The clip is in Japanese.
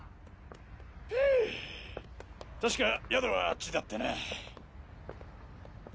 ふう確か宿はあっちだったな。